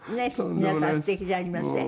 皆さんすてきじゃありません？